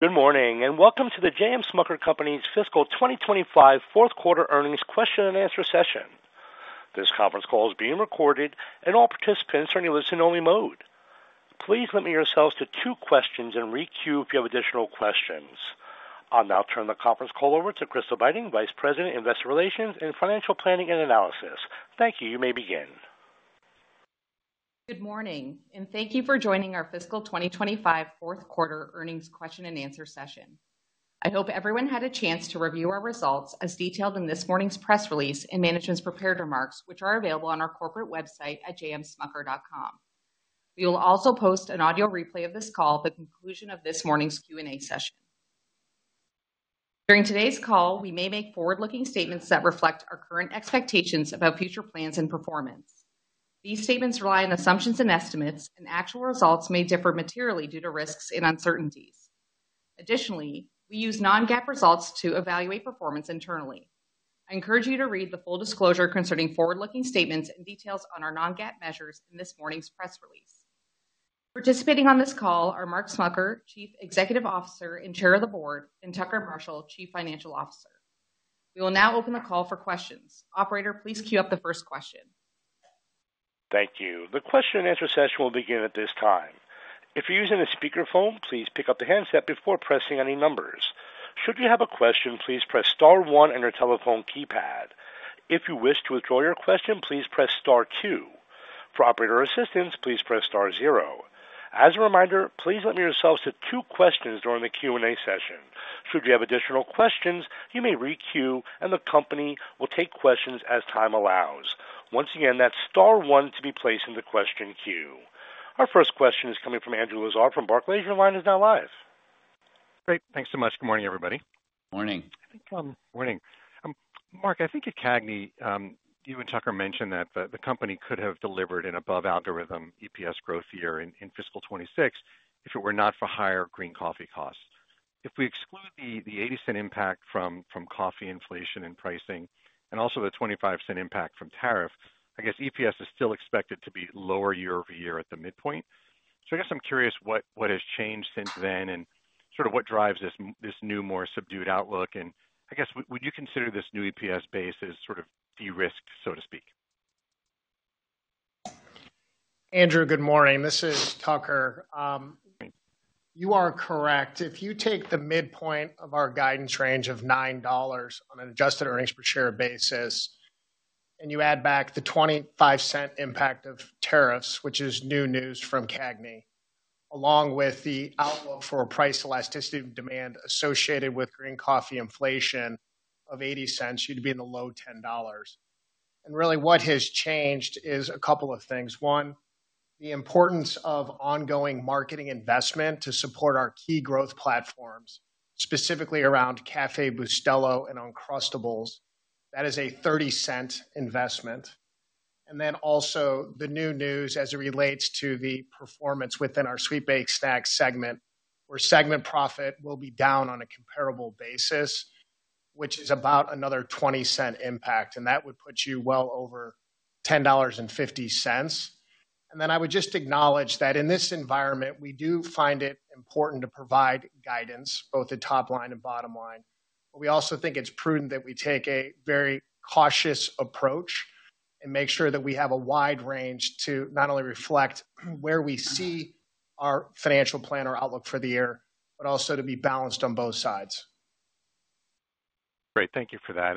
Good morning and welcome to the J.M. Smucker Company's Fiscal 2025 Fourth Quarter Earnings Question and Answer Session. This conference call is being recorded, and all participants are in a listen-only mode. Please limit yourselves to two questions and re-queue if you have additional questions. I'll now turn the conference call over to Crystal Beiting, Vice President, Investor Relations and Financial Planning and Analysis. Thank you. You may begin. Good morning, and thank you for joining our Fiscal 2025 Fourth Quarter Earnings Question and Answer Session. I hope everyone had a chance to review our results as detailed in this morning's press release and management's prepared remarks, which are available on our corporate website at smucker.com. We will also post an audio replay of this call at the conclusion of this morning's Q&A session. During today's call, we may make forward-looking statements that reflect our current expectations about future plans and performance. These statements rely on assumptions and estimates, and actual results may differ materially due to risks and uncertainties. Additionally, we use non-GAAP results to evaluate performance internally. I encourage you to read the full disclosure concerning forward-looking statements and details on our non-GAAP measures in this morning's press release. Participating on this call are Mark Smucker, Chief Executive Officer and Chair of the Board, and Tucker Marshall, Chief Financial Officer. We will now open the call for questions. Operator, please queue up the first question. Thank you. The question and answer session will begin at this time. If you're using a speakerphone, please pick up the handset before pressing any numbers. Should you have a question, please press star one on your telephone keypad. If you wish to withdraw your question, please press star two. For operator assistance, please press star zero. As a reminder, please limit yourselves to two questions during the Q&A session. Should you have additional questions, you may re-queue, and the company will take questions as time allows. Once again, that's star one to be placed in the question queue. Our first question is coming from Andrew Lazar from Barclays, your line is now live. Great. Thanks so much. Good morning, everybody. Morning. Morning. Mark, I think at CAGNY, you and Tucker mentioned that the company could have delivered an above-algorithm EPS growth year in Fiscal 2026 if it were not for higher green coffee costs. If we exclude the $0.80 impact from coffee inflation and pricing, and also the $0.25 impact from tariffs, I guess EPS is still expected to be lower year over year at the midpoint. I guess I'm curious what has changed since then and sort of what drives this new, more subdued outlook. I guess, would you consider this new EPS base as sort of de-risked, so to speak? Andrew, good morning. This is Tucker. You are correct. If you take the midpoint of our guidance range of $9 on an adjusted earnings per share basis and you add back the $0.25 impact of tariffs, which is new news from CAGNY, along with the outlook for price elasticity and demand associated with green coffee inflation of $0.80, you'd be in the low $10. And really, what has changed is a couple of things. One, the importance of ongoing marketing investment to support our key growth platforms, specifically around Café Bustelo and Uncrustables. That is a $0.30 investment. And then also the new news as it relates to the performance within our sweet baked snacks segment, where segment profit will be down on a comparable basis, which is about another $0.20 impact. And that would put you well over $10.50. I would just acknowledge that in this environment, we do find it important to provide guidance, both the top line and bottom line. We also think it's prudent that we take a very cautious approach and make sure that we have a wide range to not only reflect where we see our financial plan or outlook for the year, but also to be balanced on both sides. Great. Thank you for that.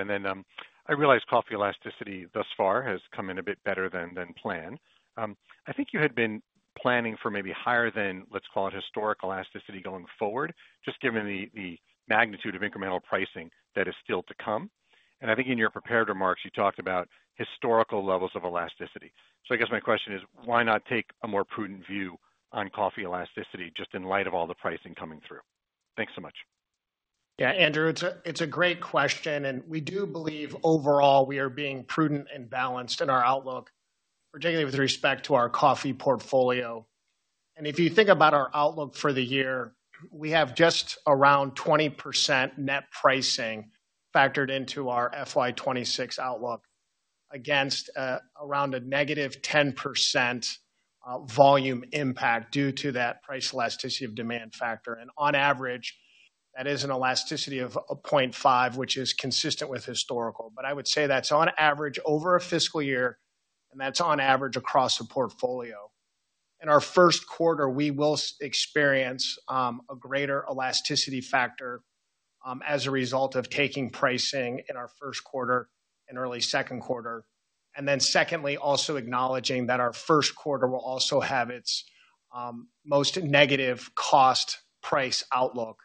I realize coffee elasticity thus far has come in a bit better than planned. I think you had been planning for maybe higher than, let's call it, historic elasticity going forward, just given the magnitude of incremental pricing that is still to come. I think in your prepared remarks, you talked about historical levels of elasticity. I guess my question is, why not take a more prudent view on coffee elasticity just in light of all the pricing coming through? Thanks so much. Yeah, Andrew, it's a great question. We do believe overall we are being prudent and balanced in our outlook, particularly with respect to our coffee portfolio. If you think about our outlook for the year, we have just around 20% net pricing factored into our FY2026 outlook against around a negative 10% volume impact due to that price elasticity of demand factor. On average, that is an elasticity of point five, which is consistent with historical. I would say that's on average over a fiscal year, and that's on average across the portfolio. In our first quarter, we will experience a greater elasticity factor as a result of taking pricing in our first quarter and early second quarter. Secondly, also acknowledging that our first quarter will also have its most negative cost-price outlook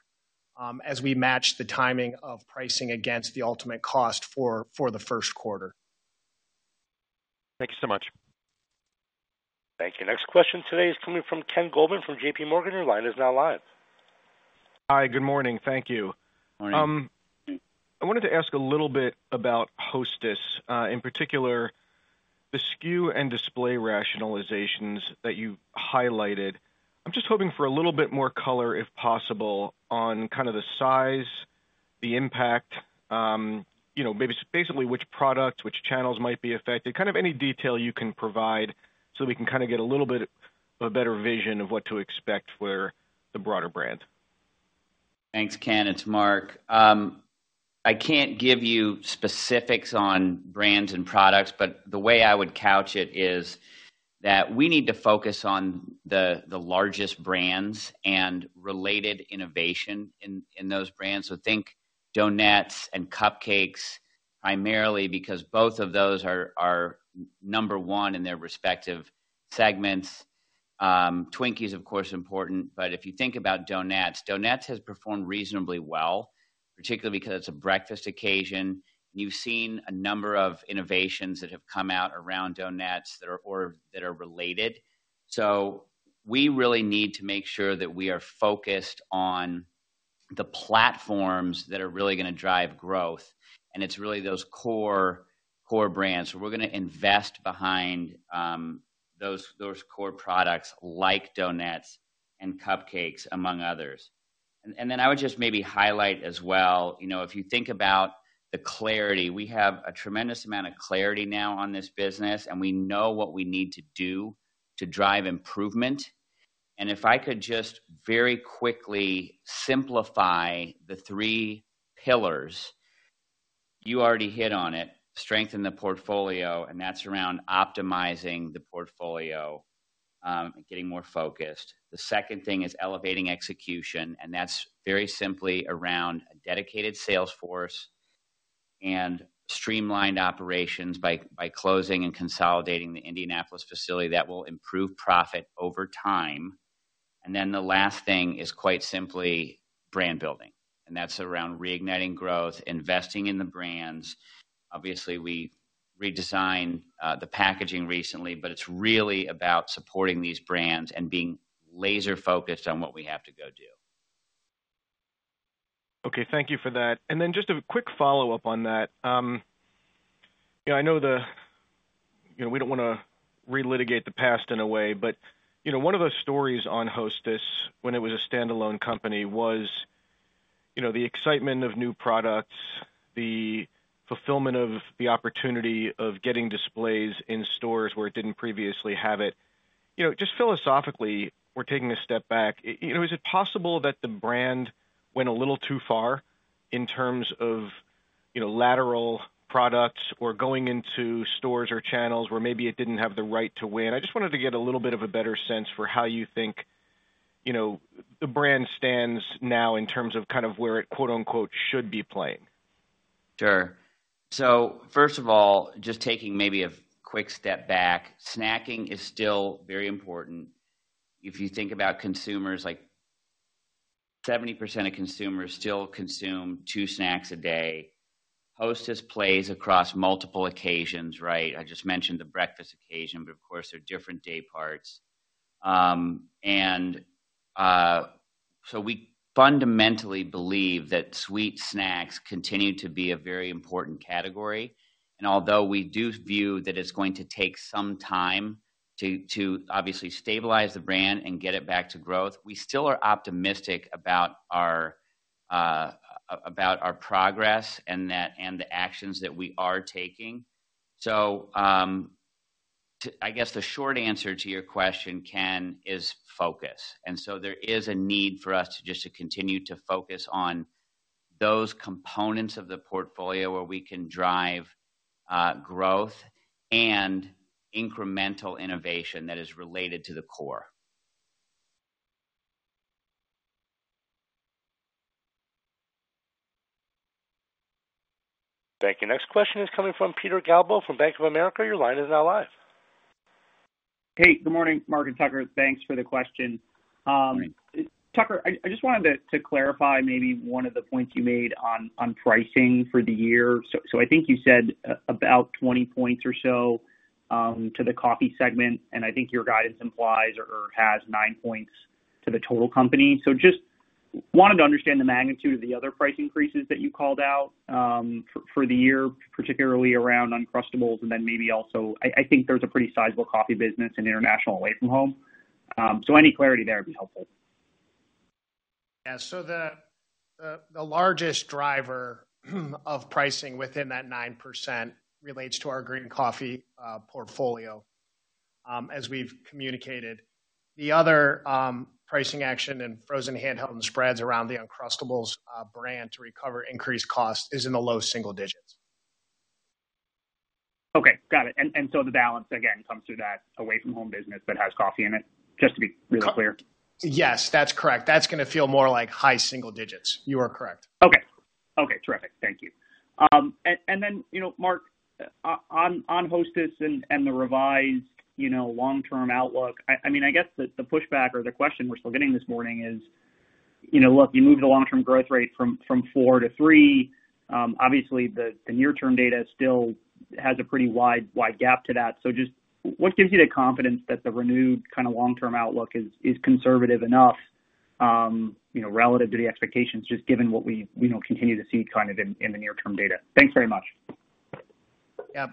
as we match the timing of pricing against the ultimate cost for the first quarter. Thank you so much. Thank you. Next question today is coming from Ken Goldman from J.P. Morgan. Your line is now live. Hi. Good morning. Thank you. I wanted to ask a little bit about Hostess, in particular, the SKU and display rationalizations that you highlighted. I'm just hoping for a little bit more color, if possible, on kind of the size, the impact, maybe basically which products, which channels might be affected, kind of any detail you can provide so that we can kind of get a little bit of a better vision of what to expect for the broader brand. Thanks, Ken, it's Mark. I can't give you specifics on brands and products, but the way I would couch it is that we need to focus on the largest brands and related innovation in those brands. Think donuts and cupcakes primarily because both of those are number one in their respective segments. Twinkies, of course, are important. If you think about donuts, donuts have performed reasonably well, particularly because it is a breakfast occasion. You have seen a number of innovations that have come out around donuts that are related. We really need to make sure that we are focused on the platforms that are really going to drive growth. It is really those core brands. We are going to invest behind those core products like donuts and cupcakes, among others. I would just maybe highlight as well, if you think about the clarity, we have a tremendous amount of clarity now on this business, and we know what we need to do to drive improvement. If I could just very quickly simplify the three pillars, you already hit on it: strengthen the portfolio, and that's around optimizing the portfolio and getting more focused. The second thing is elevating execution, and that's very simply around a dedicated salesforce and streamlined operations by closing and consolidating the Indianapolis facility that will improve profit over time. The last thing is quite simply brand building. That's around reigniting growth, investing in the brands. Obviously, we redesigned the packaging recently, but it's really about supporting these brands and being laser-focused on what we have to go do. Okay. Thank you for that. Just a quick follow-up on that. I know we do not want to relitigate the past in a way, but one of those stories on Hostess when it was a standalone company was the excitement of new products, the fulfillment of the opportunity of getting displays in stores where it did not previously have it. Just philosophically, we are taking a step back. Is it possible that the brand went a little too far in terms of lateral products or going into stores or channels where maybe it did not have the right to win? I just wanted to get a little bit of a better sense for how you think the brand stands now in terms of kind of where it "should be playing. Sure. First of all, just taking maybe a quick step back, snacking is still very important. If you think about consumers, like 70% of consumers still consume two snacks a day. Hostess plays across multiple occasions, right? I just mentioned the breakfast occasion, but of course, there are different day parts. We fundamentally believe that sweet snacks continue to be a very important category. Although we do view that it is going to take some time to obviously stabilize the brand and get it back to growth, we still are optimistic about our progress and the actions that we are taking. I guess the short answer to your question, Ken, is focus. There is a need for us to just continue to focus on those components of the portfolio where we can drive growth and incremental innovation that is related to the core. Thank you. Next question is coming from Peter Galbo from Bank of America. Your line is now live. Hey, good morning, Mark and Tucker. Thanks for the question. Tucker, I just wanted to clarify maybe one of the points you made on pricing for the year. I think you said about 20 percentage points or so to the coffee segment, and I think your guidance implies or has 9 percentage points to the total company. I just wanted to understand the magnitude of the other price increases that you called out for the year, particularly around Uncrustables, and then maybe also I think there is a pretty sizable coffee business and international away from home. Any clarity there would be helpful. Yeah. The largest driver of pricing within that 9% relates to our green coffee portfolio, as we've communicated. The other pricing action in frozen handheld and spreads around the Uncrustables brand to recover increased costs is in the low single digits. Okay. Got it. The balance, again, comes through that away-from-home business that has coffee in it, just to be really clear. Yes, that's correct. That's going to feel more like high single digits. You are correct. Okay. Okay. Terrific. Thank you. And then, Mark, on Hostess and the revised long-term outlook, I mean, I guess the pushback or the question we're still getting this morning is, look, you moved the long-term growth rate from 4 to 3. Obviously, the near-term data still has a pretty wide gap to that. Just what gives you the confidence that the renewed kind of long-term outlook is conservative enough relative to the expectations, just given what we continue to see kind of in the near-term data? Thanks very much. Yeah.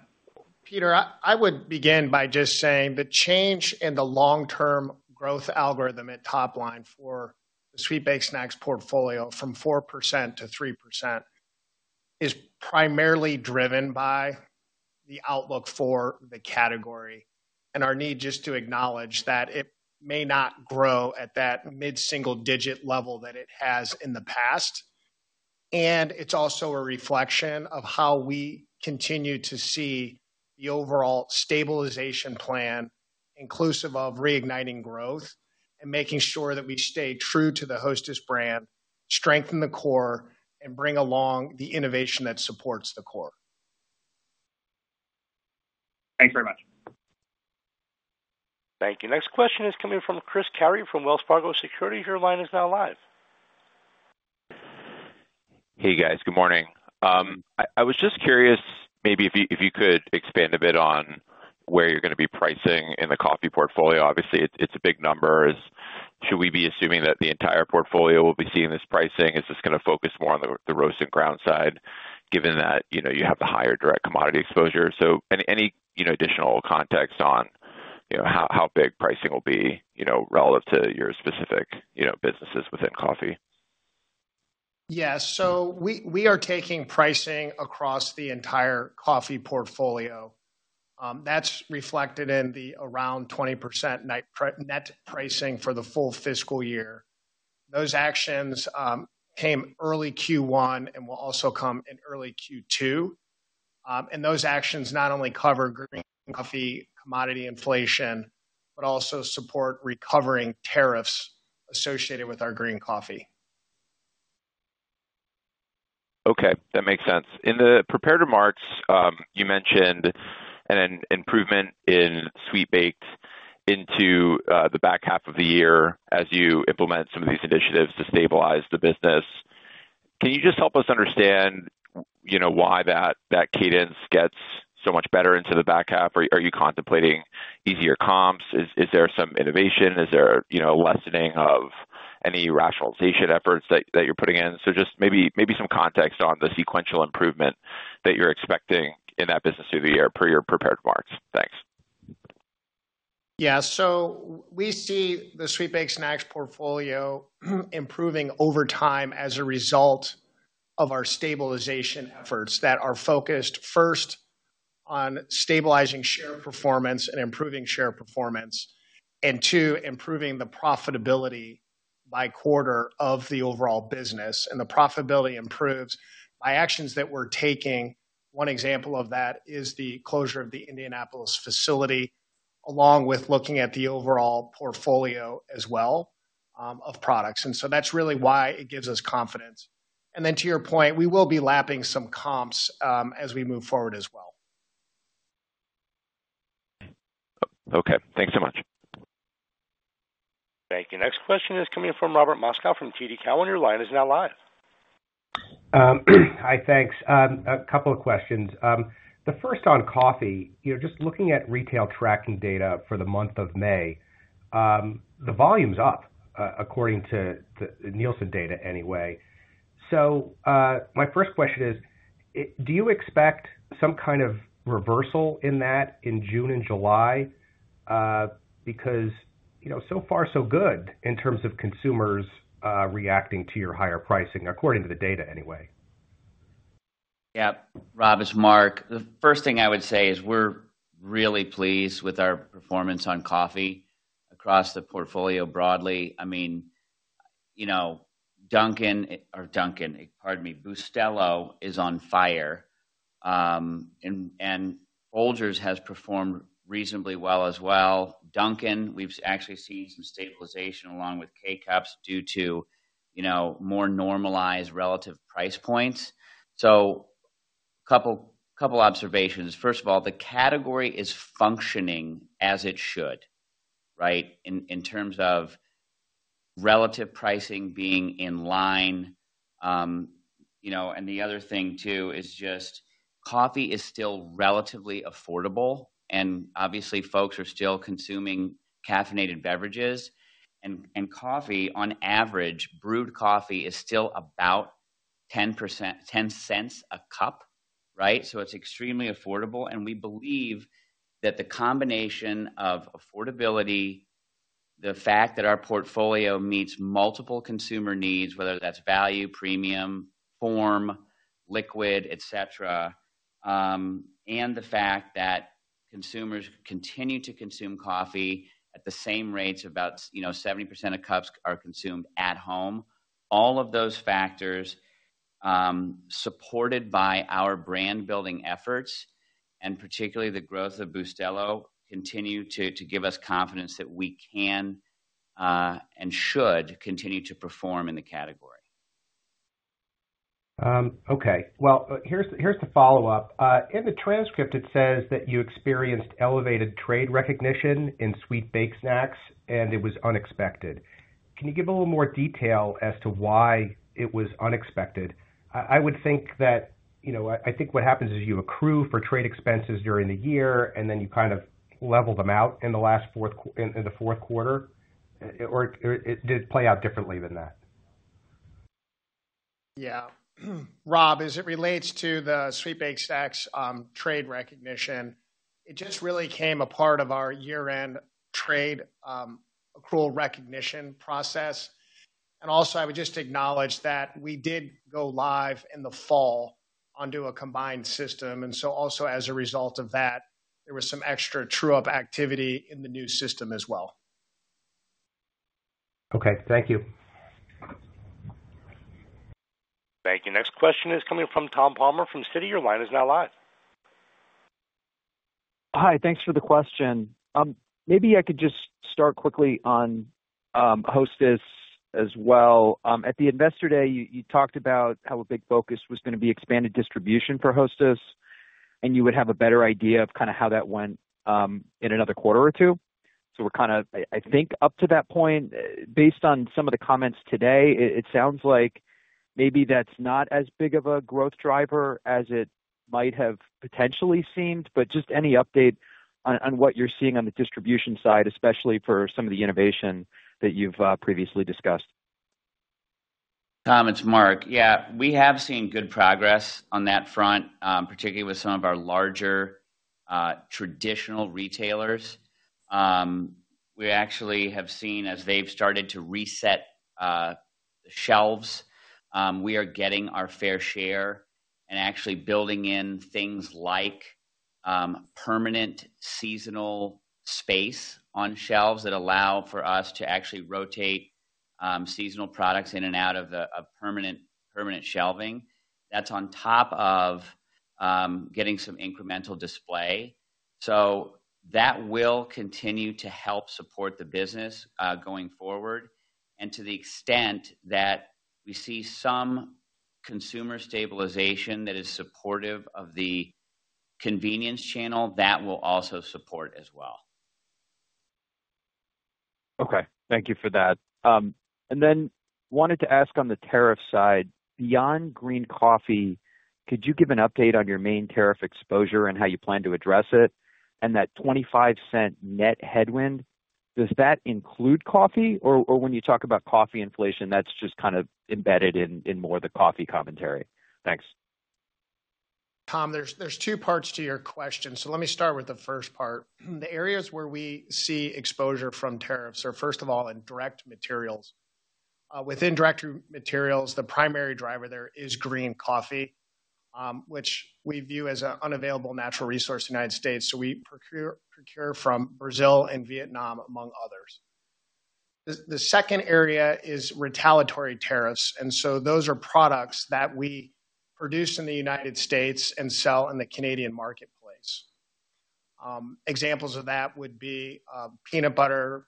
Peter, I would begin by just saying the change in the long-term growth algorithm at top line for the sweet baked snacks portfolio from 4% to 3% is primarily driven by the outlook for the category. Our need just to acknowledge that it may not grow at that mid-single-digit level that it has in the past. It is also a reflection of how we continue to see the overall stabilization plan, inclusive of reigniting growth and making sure that we stay true to the Hostess brand, strengthen the core, and bring along the innovation that supports the core. Thanks very much. Thank you. Next question is coming from Chris Carey from Wells Fargo Securities. Your line is now live. Hey, guys. Good morning. I was just curious maybe if you could expand a bit on where you're going to be pricing in the coffee portfolio. Obviously, it's a big number. Should we be assuming that the entire portfolio will be seeing this pricing? Is this going to focus more on the roast and ground side, given that you have the higher direct commodity exposure? Any additional context on how big pricing will be relative to your specific businesses within coffee? Yeah. We are taking pricing across the entire coffee portfolio. That's reflected in the around 20% net pricing for the full fiscal year. Those actions came early Q1 and will also come in early Q2. Those actions not only cover green coffee commodity inflation, but also support recovering tariffs associated with our green coffee. Okay. That makes sense. In the prepared remarks, you mentioned an improvement in sweet baked into the back half of the year as you implement some of these initiatives to stabilize the business. Can you just help us understand why that cadence gets so much better into the back half? Are you contemplating easier comps? Is there some innovation? Is there a lessening of any rationalization efforts that you're putting in? Just maybe some context on the sequential improvement that you're expecting in that business through the year per your prepared remarks. Thanks. Yeah. We see the sweet baked snacks portfolio improving over time as a result of our stabilization efforts that are focused first on stabilizing share performance and improving share performance, and two, improving the profitability by quarter of the overall business. The profitability improves by actions that we are taking. One example of that is the closure of the Indianapolis facility, along with looking at the overall portfolio as well of products. That is really why it gives us confidence. To your point, we will be lapping some comps as we move forward as well. Okay. Thanks so much. Thank you. Next question is coming from Robert Moskow from TD Cowen. Your line is now live. Hi, thanks. A couple of questions. The first on coffee, just looking at retail tracking data for the month of May, the volume's up, according to Nielsen data anyway. My first question is, do you expect some kind of reversal in that in June and July? Because so far, so good in terms of consumers reacting to your higher pricing, according to the data anyway. Yep. Rob, this is Mark. The first thing I would say is we're really pleased with our performance on coffee across the portfolio broadly. I mean, Dunkin', or Dunkin', pardon me, Bustelo is on fire. And Folgers has performed reasonably well as well. Dunkin', we've actually seen some stabilization along with K-Cups due to more normalized relative price points. A couple of observations. First of all, the category is functioning as it should, right, in terms of relative pricing being in line. The other thing too is just coffee is still relatively affordable. Obviously, folks are still consuming caffeinated beverages. Coffee, on average, brewed coffee is still about $0.10 a cup, right? It is extremely affordable. We believe that the combination of affordability, the fact that our portfolio meets multiple consumer needs, whether that's value, premium, form, liquid, etc., and the fact that consumers continue to consume coffee at the same rates, about 70% of cups are consumed at home, all of those factors supported by our brand-building efforts and particularly the growth of Café Bustelo continue to give us confidence that we can and should continue to perform in the category. Okay. Here's the follow-up. In the transcript, it says that you experienced elevated trade recognition in sweet baked snacks, and it was unexpected. Can you give a little more detail as to why it was unexpected? I would think that I think what happens is you accrue for trade expenses during the year, and then you kind of level them out in the fourth quarter. Or did it play out differently than that? Yeah. Rob, as it relates to the sweet baked snacks trade recognition, it just really came a part of our year-end trade accrual recognition process. I would just acknowledge that we did go live in the fall onto a combined system. Also, as a result of that, there was some extra true-up activity in the new system as well. Okay. Thank you. Thank you. Next question is coming from Tom Palmer from Citi. Your line is now live. Hi. Thanks for the question. Maybe I could just start quickly on Hostess as well. At the investor day, you talked about how a big focus was going to be expanded distribution for Hostess, and you would have a better idea of kind of how that went in another quarter or two. So we're kind of, I think, up to that point. Based on some of the comments today, it sounds like maybe that's not as big of a growth driver as it might have potentially seemed. But just any update on what you're seeing on the distribution side, especially for some of the innovation that you've previously discussed? Tom, it's Mark. Yeah. We have seen good progress on that front, particularly with some of our larger traditional retailers. We actually have seen, as they've started to reset the shelves, we are getting our fair share and actually building in things like permanent seasonal space on shelves that allow for us to actually rotate seasonal products in and out of permanent shelving. That is on top of getting some incremental display. That will continue to help support the business going forward. To the extent that we see some consumer stabilization that is supportive of the convenience channel, that will also support as well. Okay. Thank you for that. I wanted to ask on the tariff side, beyond green coffee, could you give an update on your main tariff exposure and how you plan to address it? That $0.25 net headwind, does that include coffee? Or when you talk about coffee inflation, that's just kind of embedded in more of the coffee commentary? Thanks. Tom, there are two parts to your question. Let me start with the first part. The areas where we see exposure from tariffs are, first of all, in direct materials. Within direct materials, the primary driver there is green coffee, which we view as an unavailable natural resource in the U.S. We procure from Brazil and Vietnam, among others. The second area is retaliatory tariffs. Those are products that we produce in the U.S. and sell in the Canadian marketplace. Examples of that would be peanut butter,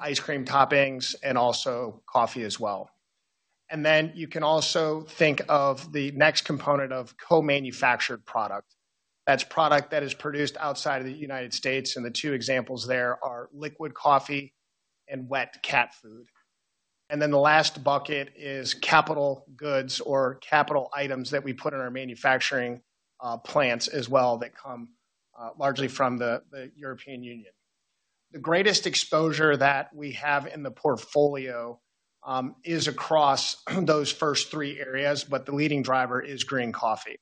ice cream toppings, and also coffee as well. You can also think of the next component of co-manufactured product. That is product that is produced outside of the U.S. The two examples there are liquid coffee and wet cat food. The last bucket is capital goods or capital items that we put in our manufacturing plants as well that come largely from the European Union. The greatest exposure that we have in the portfolio is across those first three areas, but the leading driver is green coffee.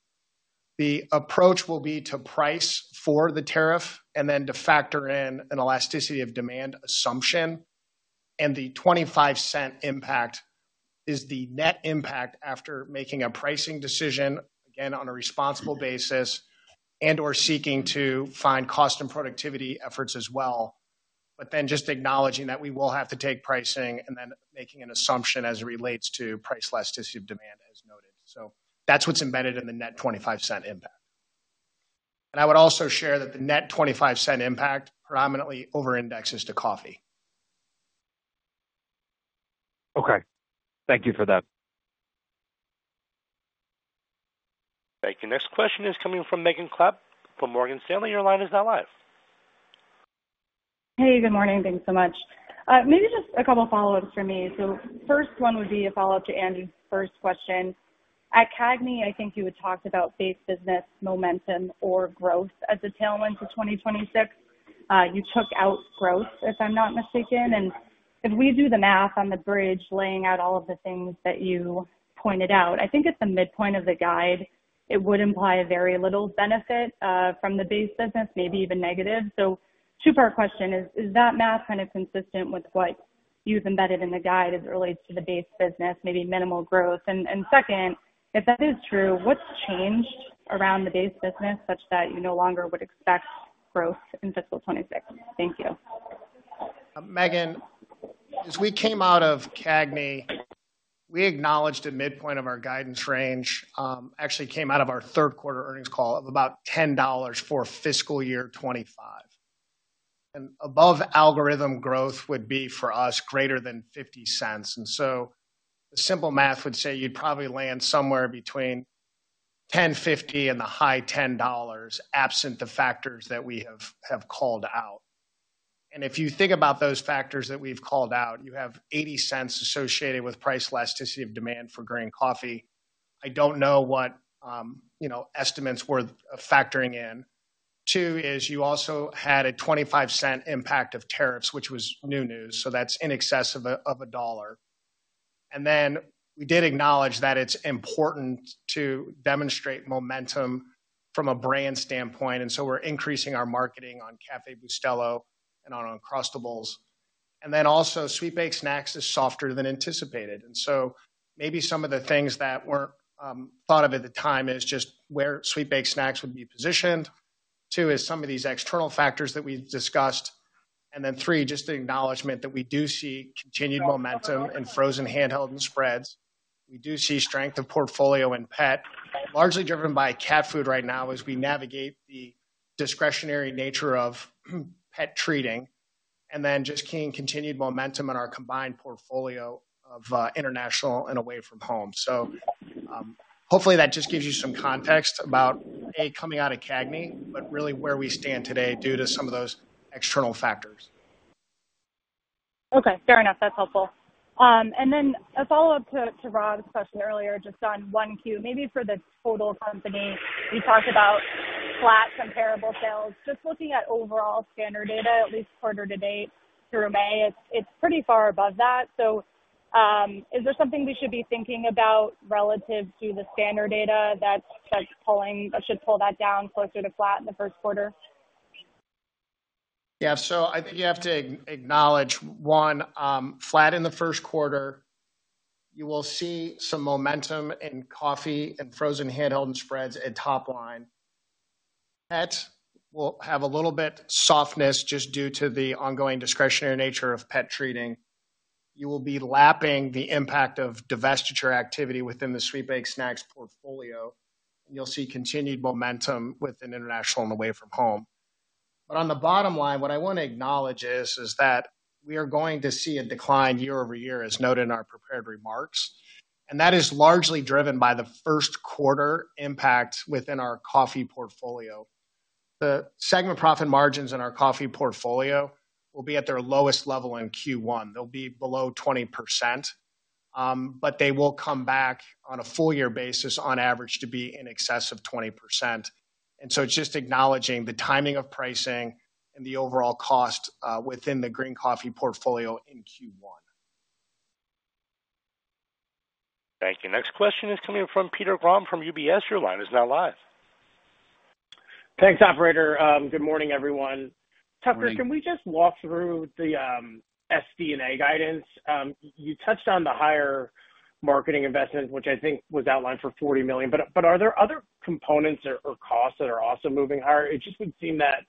The approach will be to price for the tariff and then to factor in an elasticity of demand assumption. The $0.25 impact is the net impact after making a pricing decision, again, on a responsible basis and/or seeking to find cost and productivity efforts as well. Just acknowledging that we will have to take pricing and then making an assumption as it relates to price elasticity of demand, as noted. That is what is embedded in the net $0.25 impact. I would also share that the net $0.25 impact predominantly over-indexes to coffee. Okay. Thank you for that. Thank you. Next question is coming from Megan Klepp from Morgan Stanley. Your line is now live. Hey, good morning. Thanks so much. Maybe just a couple of follow-ups for me. First one would be a follow-up to Andy's first question. At CAGNY, I think you had talked about base business momentum or growth as a tailwind to 2026. You took out growth, if I'm not mistaken. If we do the math on the bridge, laying out all of the things that you pointed out, I think at the midpoint of the guide, it would imply very little benefit from the base business, maybe even negative. Two-part question is, is that math kind of consistent with what you've embedded in the guide as it relates to the base business, maybe minimal growth? Second, if that is true, what's changed around the base business such that you no longer would expect growth in fiscal 2026? Thank you. Megan, as we came out of CAGNY, we acknowledged at midpoint of our guidance range, actually came out of our third quarter earnings call of about $10 for fiscal year 2025. Above algorithm growth would be, for us, greater than $0.50. The simple math would say you'd probably land somewhere between $10.50 and the high $10, absent the factors that we have called out. If you think about those factors that we've called out, you have $0.80 associated with price elasticity of demand for green coffee. I do not know what estimates were factoring in. Two is you also had a $0.25 impact of tariffs, which was new news. That is in excess of $1. Then we did acknowledge that it's important to demonstrate momentum from a brand standpoint. We are increasing our marketing on Café Bustelo and on Uncrustables. Then also, sweet baked snacks is softer than anticipated. Maybe some of the things that were not thought of at the time is just where sweet baked snacks would be positioned. Two is some of these external factors that we have discussed. Three, just an acknowledgment that we do see continued momentum in frozen handheld and spreads. We do see strength of portfolio in pet, largely driven by cat food right now as we navigate the discretionary nature of pet treating, and just continued momentum in our combined portfolio of international and away from home. Hopefully, that gives you some context about, A, coming out of CAGNY, but really where we stand today due to some of those external factors. Okay. Fair enough. That's helpful. And then a follow-up to Rob's question earlier, just on Q1, maybe for the total company, you talked about flat comparable sales. Just looking at overall standard data, at least quarter to date through May, it's pretty far above that. Is there something we should be thinking about relative to the standard data that should pull that down closer to flat in the first quarter? Yeah. So I think you have to acknowledge, one, flat in the first quarter, you will see some momentum in coffee and frozen handheld and spreads at top line. Pet will have a little bit of softness just due to the ongoing discretionary nature of pet treating. You will be lapping the impact of divestiture activity within the sweet baked snacks portfolio. You will see continued momentum within international and away from home. On the bottom line, what I want to acknowledge is that we are going to see a decline year over year, as noted in our prepared remarks. That is largely driven by the first quarter impact within our coffee portfolio. The segment profit margins in our coffee portfolio will be at their lowest level in Q1. They'll be below 20%. They will come back on a full-year basis, on average, to be in excess of 20%. It is just acknowledging the timing of pricing and the overall cost within the green coffee portfolio in Q1. Thank you. Next question is coming from Peter Graham from UBS. Your line is now live. Thanks, operator. Good morning, everyone. Thanks. Tucker, can we just walk through the SD&A guidance? You touched on the higher marketing investment, which I think was outlined for $40 million. Are there other components or costs that are also moving higher? It just would seem that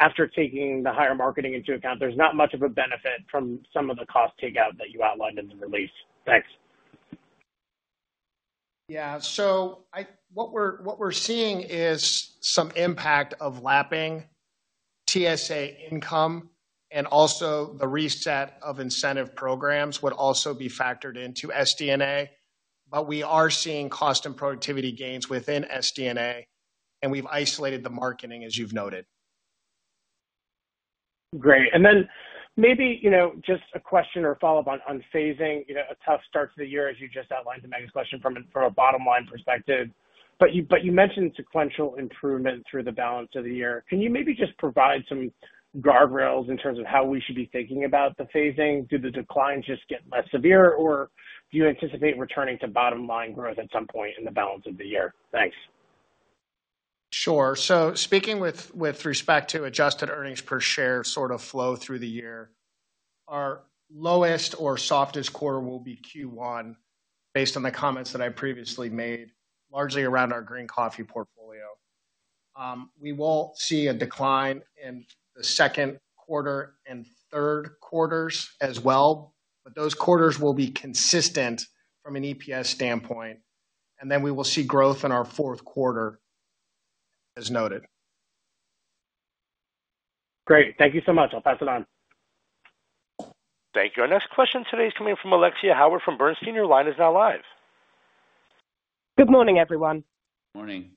after taking the higher marketing into account, there's not much of a benefit from some of the cost takeout that you outlined in the release. Thanks. Yeah. What we're seeing is some impact of lapping TSA income, and also the reset of incentive programs would also be factored into SD&A. We are seeing cost and productivity gains within SD&A. We've isolated the marketing, as you've noted. Great. Maybe just a question or follow-up on phasing. A tough start to the year, as you just outlined in Megan's question from a bottom-line perspective. You mentioned sequential improvement through the balance of the year. Can you maybe just provide some guardrails in terms of how we should be thinking about the phasing? Do the declines just get less severe? Do you anticipate returning to bottom-line growth at some point in the balance of the year? Thanks. Sure. Speaking with respect to adjusted earnings per share sort of flow through the year, our lowest or softest quarter will be Q1, based on the comments that I previously made, largely around our green coffee portfolio. We will see a decline in the second quarter and third quarters as well. Those quarters will be consistent from an EPS standpoint. We will see growth in our fourth quarter, as noted. Great. Thank you so much. I'll pass it on. Thank you. Our next question today is coming from Alexia Howard from Bernstein. Your line is now live. Good morning, everyone. Morning.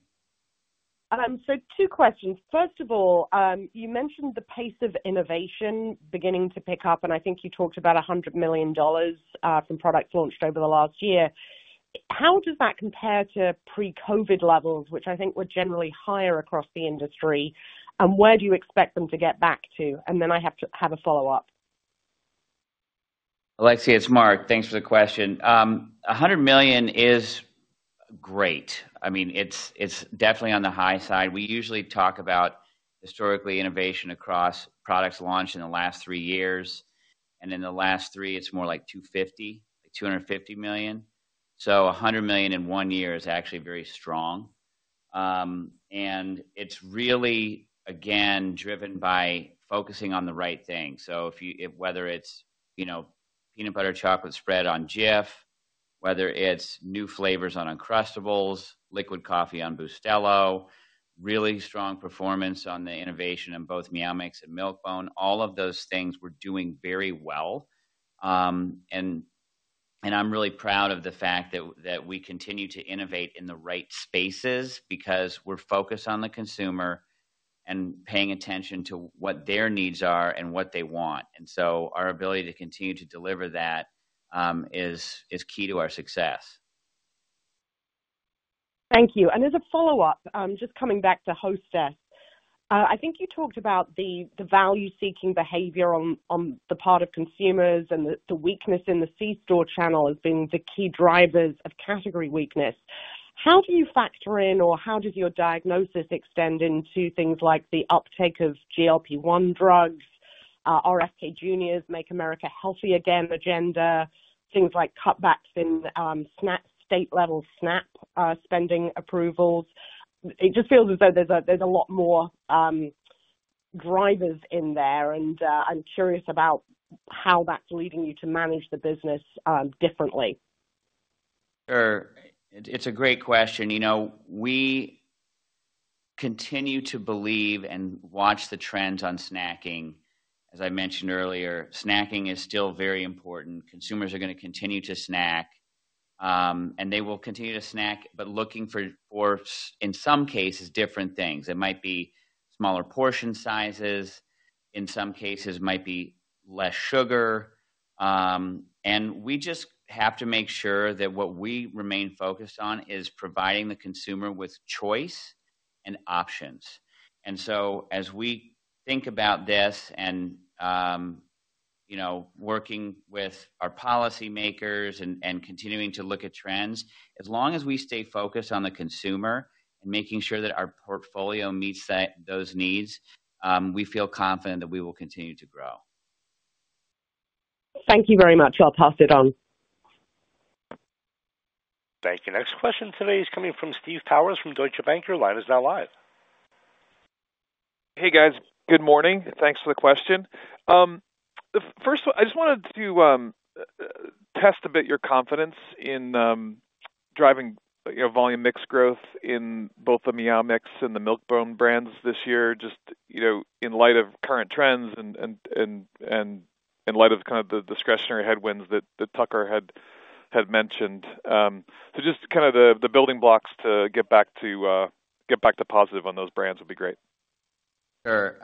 Two questions. First of all, you mentioned the pace of innovation beginning to pick up. I think you talked about $100 million from products launched over the last year. How does that compare to pre-COVID levels, which I think were generally higher across the industry? Where do you expect them to get back to? I have to have a follow-up. Alexia, it's Mark. Thanks for the question. $100 million is great. I mean, it's definitely on the high side. We usually talk about, historically, innovation across products launched in the last three years. And in the last three, it's more like $250 million, $250 million. So $100 million in one year is actually very strong. It's really, again, driven by focusing on the right thing. Whether it's peanut butter chocolate spread on Jif, whether it's new flavors on Uncrustables, liquid coffee on Café Bustelo, really strong performance on the innovation in both Meow Mix and Milk-Bone. All of those things were doing very well. I'm really proud of the fact that we continue to innovate in the right spaces because we're focused on the consumer and paying attention to what their needs are and what they want. Our ability to continue to deliver that is key to our success. Thank you. As a follow-up, just coming back to Hostess, I think you talked about the value-seeking behavior on the part of consumers and the weakness in the C-store channel as being the key drivers of category weakness. How do you factor in, or how does your diagnosis extend into things like the uptake of GLP-1 drugs, RFK Jr.'s Make America Healthy Again agenda, things like cutbacks in state-level SNAP spending approvals? It just feels as though there's a lot more drivers in there. I'm curious about how that's leading you to manage the business differently. Sure. It's a great question. We continue to believe and watch the trends on snacking. As I mentioned earlier, snacking is still very important. Consumers are going to continue to snack. They will continue to snack, but looking for, in some cases, different things. It might be smaller portion sizes. In some cases, it might be less sugar. We just have to make sure that what we remain focused on is providing the consumer with choice and options. As we think about this and working with our policymakers and continuing to look at trends, as long as we stay focused on the consumer and making sure that our portfolio meets those needs, we feel confident that we will continue to grow. Thank you very much. I'll pass it on. Thank you. Next question today is coming from Steve Powers from Deutsche Bank. Your line is now live. Hey, guys. Good morning. Thanks for the question. First, I just wanted to test a bit your confidence in driving volume mix growth in both the Meow Mix and the Milk-Bone brands this year, just in light of current trends and in light of kind of the discretionary headwinds that Tucker had mentioned. Just kind of the building blocks to get back to positive on those brands would be great. Sure.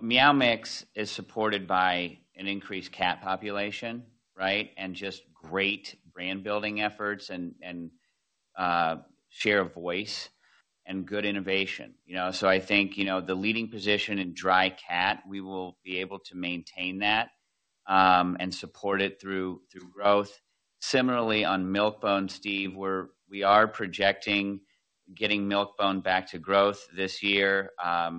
Meow Mix is supported by an increased cat population, right, and just great brand-building efforts and share of voice and good innovation. I think the leading position in dry cat, we will be able to maintain that and support it through growth. Similarly, on Milk-Bone, Steve, we are projecting getting Milk-Bone back to growth this year. It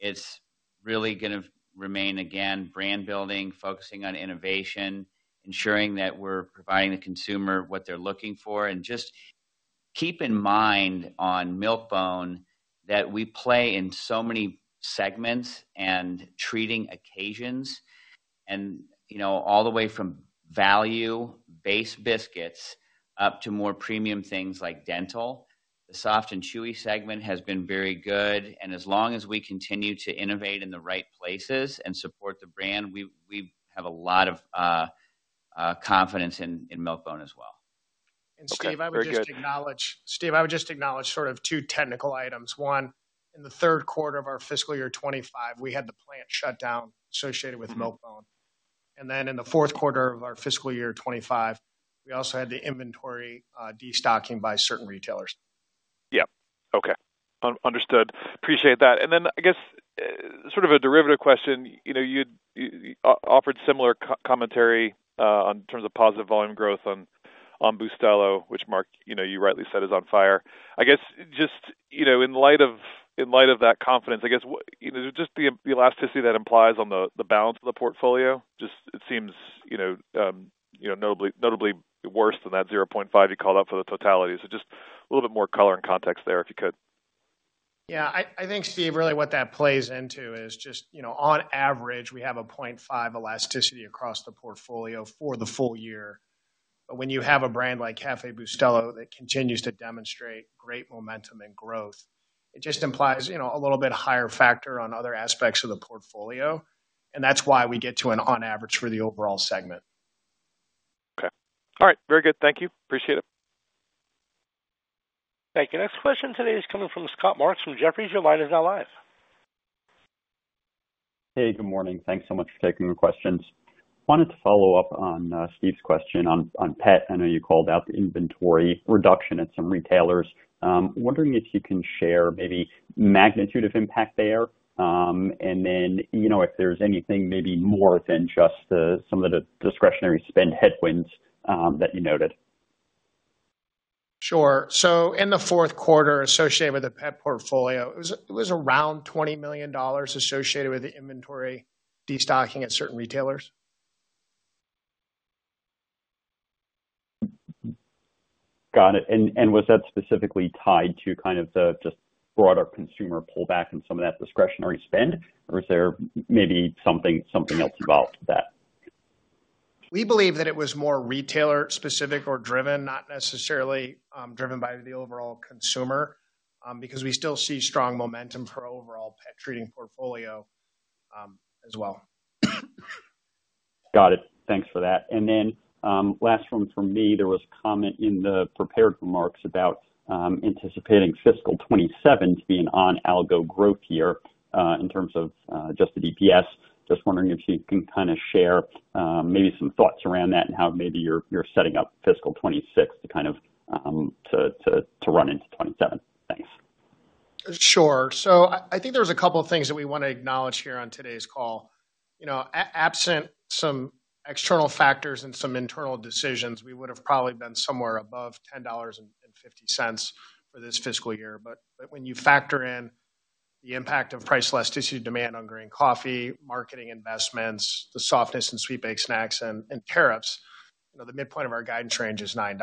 is really going to remain, again, brand-building, focusing on innovation, ensuring that we are providing the consumer what they are looking for. Just keep in mind on Milk-Bone that we play in so many segments and treating occasions. All the way from value-based biscuits up to more premium things like dental, the soft and chewy segment has been very good. As long as we continue to innovate in the right places and support the brand, we have a lot of confidence in Milk-Bone as well. Steve, I would just acknowledge sort of two technical items. One, in the third quarter of our fiscal year 2025, we had the plant shut down associated with Milk-Bone. In the fourth quarter of our fiscal year 2025, we also had the inventory destocking by certain retailers. Yeah. Okay. Understood. Appreciate that. I guess, sort of a derivative question. You offered similar commentary in terms of positive volume growth on Bustelo, which, Mark, you rightly said, is on fire. I guess just in light of that confidence, I guess just the elasticity that implies on the balance of the portfolio, just it seems notably worse than that 0.5 you called out for the totality. Just a little bit more color and context there if you could. Yeah. I think, Steve, really what that plays into is just on average, we have a 0.5 elasticity across the portfolio for the full year. When you have a brand like Café Bustelo that continues to demonstrate great momentum and growth, it just implies a little bit higher factor on other aspects of the portfolio. That is why we get to an on-average for the overall segment. Okay. All right. Very good. Thank you. Appreciate it. Thank you. Next question today is coming from Scott Marks from Jefferies. Your line is now live. Hey, good morning. Thanks so much for taking the questions. Wanted to follow up on Steve's question on pet. I know you called out the inventory reduction at some retailers. Wondering if you can share maybe magnitude of impact there. If there's anything maybe more than just some of the discretionary spend headwinds that you noted. Sure. In the fourth quarter associated with the pet portfolio, it was around $20 million associated with the inventory destocking at certain retailers. Got it. Was that specifically tied to kind of the just broader consumer pullback and some of that discretionary spend? Or was there maybe something else involved with that? We believe that it was more retailer-specific or driven, not necessarily driven by the overall consumer, because we still see strong momentum for overall pet treating portfolio as well. Got it. Thanks for that. Last one from me, there was a comment in the prepared remarks about anticipating fiscal 2027 to be an on-algo growth year in terms of just the DPS. Just wondering if you can kind of share maybe some thoughts around that and how maybe you are setting up fiscal 2026 to kind of run into 2027. Thanks. Sure. I think there's a couple of things that we want to acknowledge here on today's call. Absent some external factors and some internal decisions, we would have probably been somewhere above $10.50 for this fiscal year. When you factor in the impact of price elasticity, demand on green coffee, marketing investments, the softness in sweet-baked snacks, and tariffs, the midpoint of our guidance range is $9.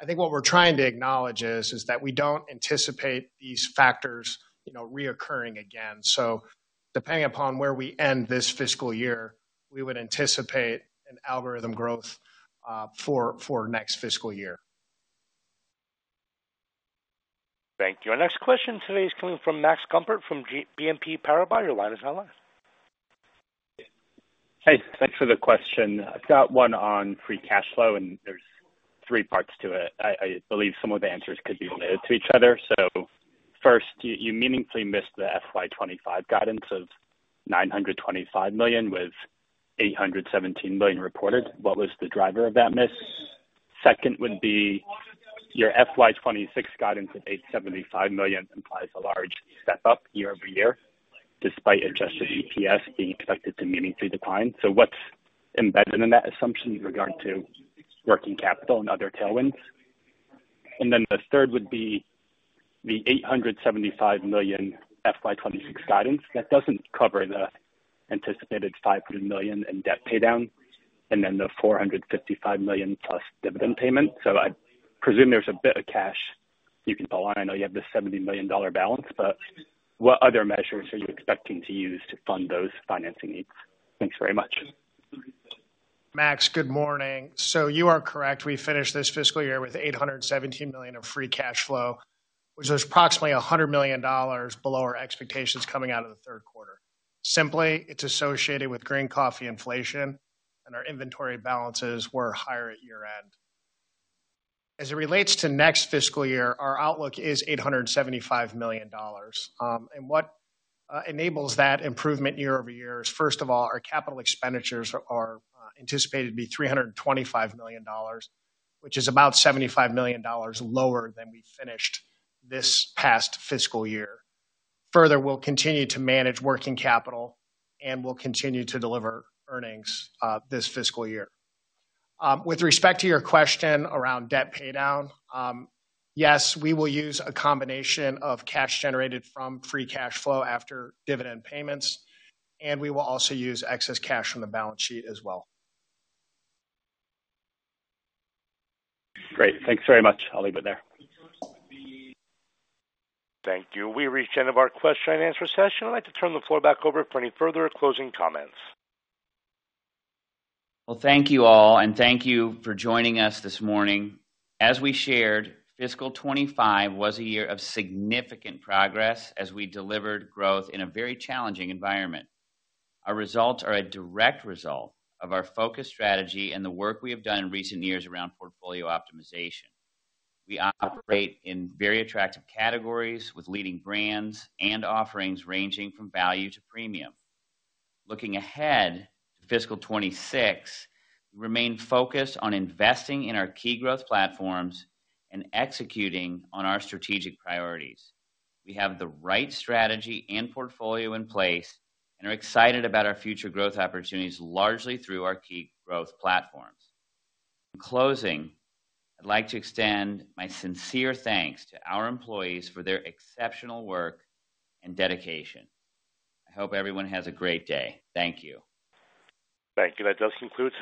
I think what we're trying to acknowledge is that we don't anticipate these factors reoccurring again. Depending upon where we end this fiscal year, we would anticipate an algorithm growth for next fiscal year. Thank you. Our next question today is coming from Max Gumport from BNP Paribas. Your line is now live. Hey, thanks for the question. I've got one on free cash flow, and there's three parts to it. I believe some of the answers could be related to each other. First, you meaningfully missed the FY 2025 guidance of $925 million with $817 million reported. What was the driver of that miss? Second would be your FY 2026 guidance of $875 million implies a large step up year over year, despite adjusted EPS being expected to meaningfully decline. What's embedded in that assumption with regard to working capital and other tailwinds? The third would be the $875 million FY 2026 guidance that doesn't cover the anticipated $500 million in debt paydown and then the $455 million plus dividend payment. I presume there's a bit of cash you can pull on. I know you have this $70 million balance, but what other measures are you expecting to use to fund those financing needs? Thanks very much. Max, good morning. You are correct. We finished this fiscal year with $817 million of free cash flow, which was approximately $100 million below our expectations coming out of the third quarter. It is associated with green coffee inflation, and our inventory balances were higher at year-end. As it relates to next fiscal year, our outlook is $875 million. What enables that improvement year over year is, first of all, our capital expenditures are anticipated to be $325 million, which is about $75 million lower than we finished this past fiscal year. Further, we will continue to manage working capital, and we will continue to deliver earnings this fiscal year. With respect to your question around debt paydown, yes, we will use a combination of cash generated from free cash flow after dividend payments, and we will also use excess cash on the balance sheet as well. Great. Thanks very much. I'll leave it there. Thank you. We reached the end of our question and answer session. I'd like to turn the floor back over for any further closing comments. Thank you all, and thank you for joining us this morning. As we shared, fiscal year 2025 was a year of significant progress as we delivered growth in a very challenging environment. Our results are a direct result of our focused strategy and the work we have done in recent years around portfolio optimization. We operate in very attractive categories with leading brands and offerings ranging from value to premium. Looking ahead to fiscal 2026, we remain focused on investing in our key growth platforms and executing on our strategic priorities. We have the right strategy and portfolio in place and are excited about our future growth opportunities largely through our key growth platforms. In closing, I would like to extend my sincere thanks to our employees for their exceptional work and dedication. I hope everyone has a great day. Thank you. Thank you. That does conclude today.